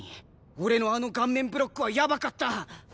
俺のあの顔面ブロックはやばかった！